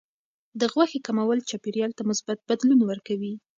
د غوښې کمول چاپیریال ته مثبت بدلون ورکوي.